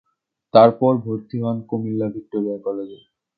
তারপর ভর্তি হন কুমিল্লা ভিক্টোরিয়া কলেজে।